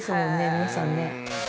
皆さんね。